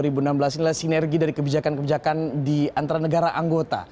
dua ribu enam belas ini adalah sinergi dari kebijakan kebijakan di antara negara anggota